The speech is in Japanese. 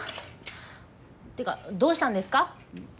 てかどうしたんですか？